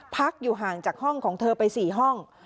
พักอยู่ห่างจากห้องของเธอไป๔ห้อง